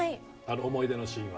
思い出のシーンは。